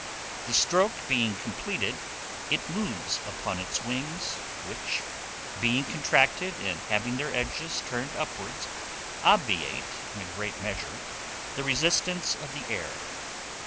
The stroke being completed, it moves upon its wings, which, being contracted and having their edges turned upwards, obviate, in a great measure, the resistance of the air.